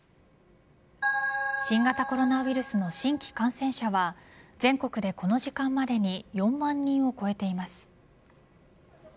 新型コロナウイルスの新規感染者は全国でこの時間までに４万人を超えています。